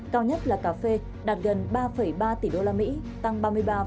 cao nhất là cà phê đạt gần ba ba tỷ đô la mỹ tăng ba mươi ba bốn